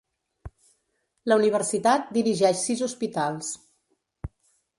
La universitat dirigeix sis hospitals.